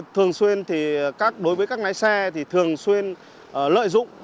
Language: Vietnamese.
thường xuyên thì đối với các lái xe thì thường xuyên lợi dụng